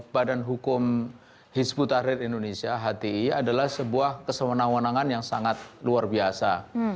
badan hukum hizbut tahrir indonesia hti adalah sebuah kesewenang wenangan yang sangat luar biasa